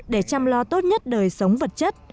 để chăm lo tốt nhất đời sống vật chất